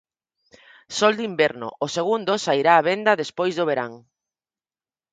"Sol de Inverno", o segundo, sairá á venda despois do verán.